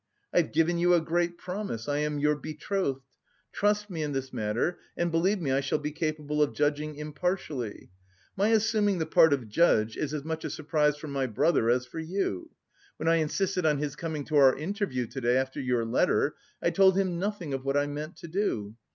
I've given you a great promise, I am your betrothed. Trust me in this matter and, believe me, I shall be capable of judging impartially. My assuming the part of judge is as much a surprise for my brother as for you. When I insisted on his coming to our interview to day after your letter, I told him nothing of what I meant to do.